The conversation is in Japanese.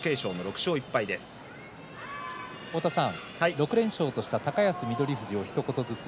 ６連勝とした高安、翠富士ひと言ずつ。